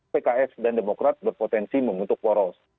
pks dan demokrat berpotensi membentuk poros